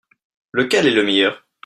Lequel est le meilleur ?